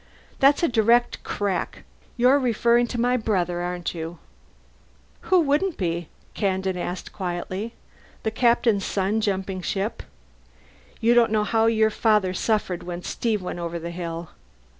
"That's a direct crack. You're referring to my brother, aren't you?" "Who wouldn't be?" Kandin asked quietly. "The captain's son jumping ship? You don't know how your father suffered when Steve went over the hill.